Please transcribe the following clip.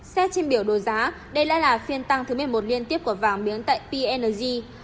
xét trên biểu đồ giá đây lại là phiên tăng thứ một mươi một liên tiếp của vàng miếng tại png